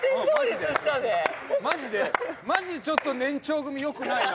マジでマジでちょっと年長組よくないな。